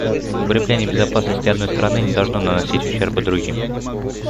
Укрепление безопасности одной страны не должно наносить ущерба другим.